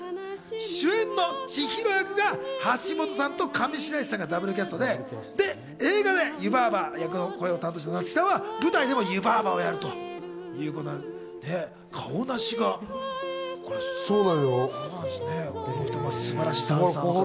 主演の千尋役は橋本さんと上白石さんがダブルキャストでそして映画で湯婆婆役の声を担当した夏木さんは舞台でも湯婆婆を演じるということです。